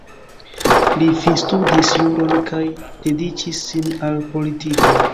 Li finstudis juron kaj dediĉis sin al politiko.